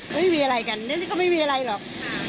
ไม่มีอะไรกันเรื่องนี้ก็ไม่มีอะไรหรอก